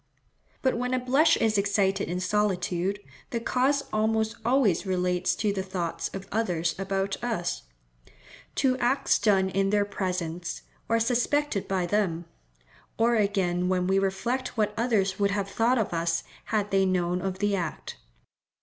But when a blush is excited in solitude, the cause almost always relates to the thoughts of others about us—to acts done in their presence, or suspected by them; or again when we reflect what others would have thought of us had they known of the act.